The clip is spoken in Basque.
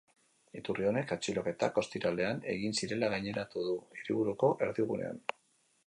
Iturri honek atxiloketak ostiralean egin zirela gaineratu du, hiriburuko erdigunean.